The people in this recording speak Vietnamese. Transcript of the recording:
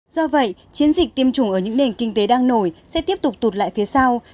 do vậy chiến dịch tiêm chủng ở những nền kinh tế đang nổi sẽ tiếp tục tụt lại phía sau